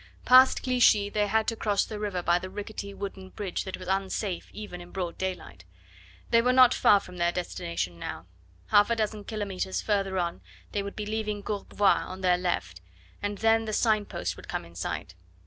Past Clichy, they had to cross the river by the rickety wooden bridge that was unsafe even in broad daylight. They were not far from their destination now. Half a dozen kilometres further on they would be leaving Courbevoie on their left, and then the sign post would come in sight.